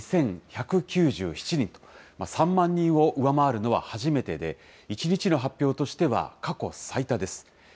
３万２１９７人と、３万人を上回るのは初めてで、１日の発表としては過去最多です。